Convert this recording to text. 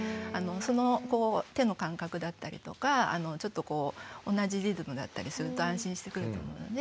その手の感覚だったりとかちょっと同じリズムだったりすると安心してくると思うので。